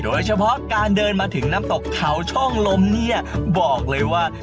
โดยเฉพาะการเดินมาถึงน้ำตกเขาช่องลมเนี่ยบอกเลยว่า